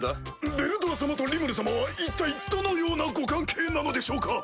ヴェルドラ様とリムル様は一体どのようなご関係なのでしょうか？